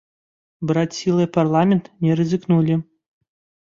Браць сілай парламент не рызыкнулі.